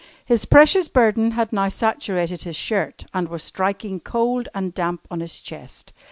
His precious burden had now saturated his shirt and was striking cold and damp on his chest.